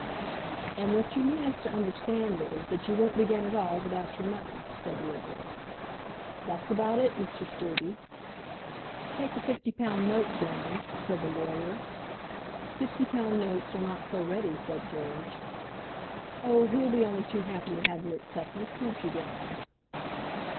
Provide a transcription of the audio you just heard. "And what you mean us to understand is, that you won't begin at all without your money," said the lawyer. "That's about it, Mr. Scruby." "Take a fifty pound note, Grimes," said the lawyer. "Fifty pound notes are not so ready," said George. "Oh, he'll be only too happy to have your acceptance; won't you, Grimes."